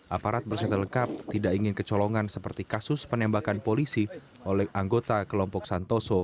aparat bersetel lengkap tidak ingin kecolongan seperti kasus penembakan polisi oleh anggota kelompok santoso